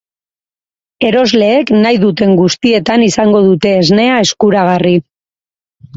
Erosleek nahi duten guztietan izango dute esnea eskuragarri.